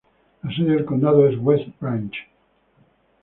La sede del condado es West Branch.